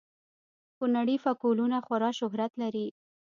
کونړي فکولونه خورا شهرت لري